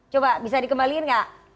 coba bisa dikembalikan gak